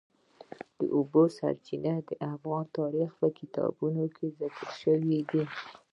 د اوبو سرچینې د افغان تاریخ په کتابونو کې ذکر شوی دي.